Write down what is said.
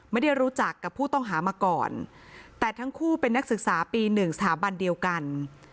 ไม่ได้รู้จักกับผู้ต้องหามาก่อนแต่ทั้งคู่เป็นนักศึกษาปีหนึ่งสถาบันเดียวกัน